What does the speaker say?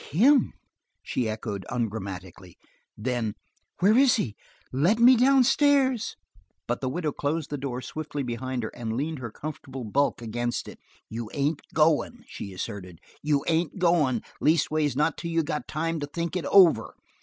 "Him!" she echoed ungrammatically. Then: "Where is he? Let me downstairs." But the widow closed the door swiftly behind her and leaned her comfortable bulk against it. "You ain't goin'," she asserted. "You ain't goin', leastways not till you got time to think it over."